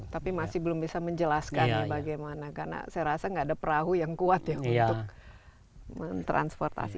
tapi masih belum bisa menjelaskan ya bagaimana karena saya rasa nggak ada perahu yang kuat ya untuk mentransportasi